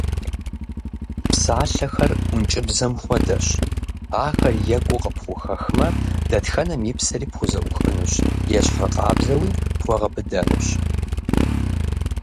Псалъэхэр ӏункӏыбзэм хуэдэщ, ахэр екӏуу къыпхухэхмэ, дэтхэнэм и псэри пхузэӏухынущ, ещхьыркъабзэуи - пхуэгъэбыдэнущ.